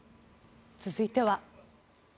続いては。